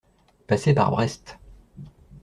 Passer par Brest.